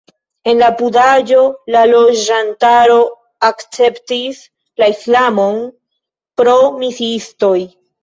En la apudaĵo la loĝantaro akceptis la islamon pro misiistoj.